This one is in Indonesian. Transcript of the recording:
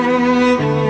suara kamu indah sekali